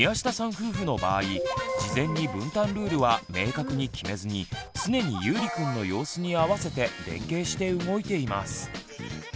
夫婦の場合事前に分担ルールは明確に決めずに常にゆうりくんの様子に合わせて連携して動いています。